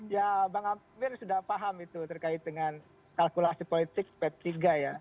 ya bang amir sudah paham itu terkait dengan kalkulasi politik p tiga ya